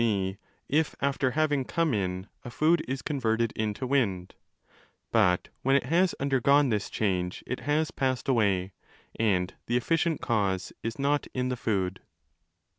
g., if, after having come in, a food is converted into wind"), but when 10 it has undergone this change it has passed away: and the efficient cause is not in the food.